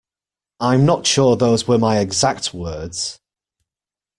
I'm not sure those were my exact words.